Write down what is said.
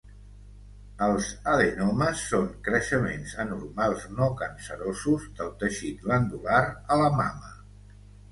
Els adenomes són creixements anormals no cancerosos del teixit glandular a la mama.